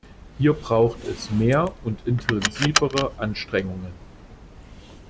Hier braucht es mehr und intensivere Anstrengungen.